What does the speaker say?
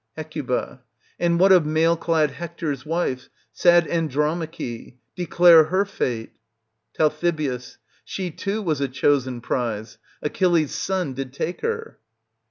Hec. And what of mail clad Hector's wife, sad Andro mache ? declare her fate. Tal. She too was a chosen prize ; Achilles' son did take her.